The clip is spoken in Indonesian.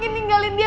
kamu ninggalin dia